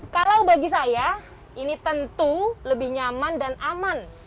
kalau bagi saya ini tentu lebih nyaman dan aman